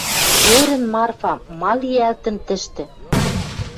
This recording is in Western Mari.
Ӧрӹн Марфа ма лиӓлтӹн тӹштӹ?